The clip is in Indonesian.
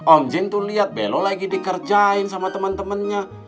om jin tuh liat belo lagi dikerjain sama temen temennya